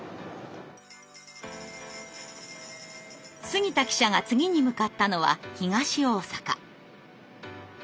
杉田記者が次に向かったのは東大阪。